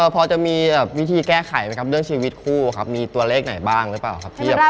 พอจะมีวิธีแก้ไขไหมครับเรื่องชีวิตคู่ครับมีตัวเลขไหนบ้างหรือเปล่าครับเทียบ